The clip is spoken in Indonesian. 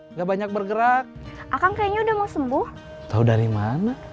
nggak banyak bergerak akang kayaknya udah mau sembuh tahu dari mana